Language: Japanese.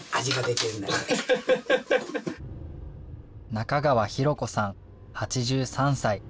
中川博子さん８３歳。